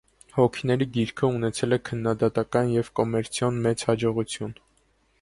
«Հոգիների գիրքը» ունեցել է քննադատական և կոմերցիոն մեծ հաջողություն։